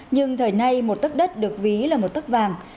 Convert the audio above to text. nhưng thời nay một tấc đất được ví là một tấc vàng